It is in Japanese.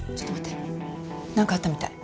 なんかあったみたい。